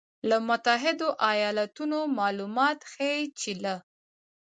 له متحدو ایالتونو مالومات ښیي چې له